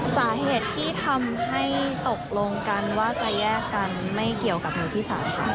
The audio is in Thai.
สาเหตุที่ทำให้ตกลงกันว่าจะแยกกันไม่เกี่ยวกับมือที่๓ค่ะ